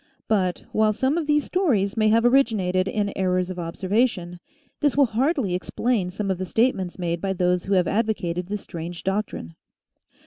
But while some of these stories may have originated in errors of observation this will hardly explain some of the statements made by those who have advocated this strange doctrine.